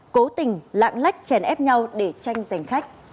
cố tình lạng lách chèn ép nhau để tranh giành khách